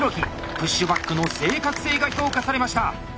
プッシュバックの正確性が評価されました。